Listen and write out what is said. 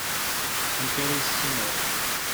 Amak ara issineɣ?